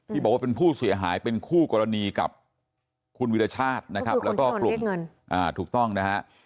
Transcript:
ที่บอกว่าเป็นผู้เสียหายเป็นคู่กรณีกับคุณวิทยาชาธิพูดถึงคนที่นวนเลขเงินถูกต้องนะฮะ